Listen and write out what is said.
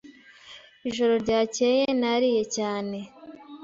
Ijoro ryakeye nariye cyane.